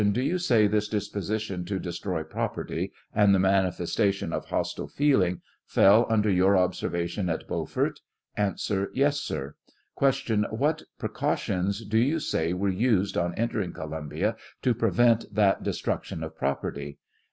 Do you say this disposition to destroy property, and the manifestation of hostile feeling, fell under your observation at Beaufort ? A. Yes, sir. Q. What precautions do you say were used on enter ing Columbia to prevent that destruction of property ? A.